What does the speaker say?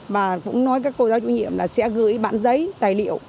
và cũng nói các cô giáo chủ nhiệm là sẽ gửi bản giấy tài liệu